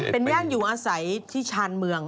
เป็นย่านอยู่อาศัยที่ชาญเมือง